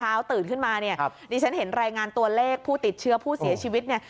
ตื่นขึ้นมาเนี่ยดิฉันเห็นรายงานตัวเลขผู้ติดเชื้อผู้เสียชีวิตเนี่ย